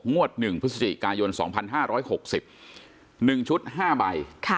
ม้วตหนึ่งพฤษริกายนสองพันห้าร้อยหกสิบหนึ่งชุดห้าใบค่ะ